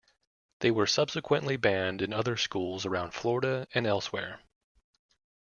They were subsequently banned in other schools around Florida and elsewhere.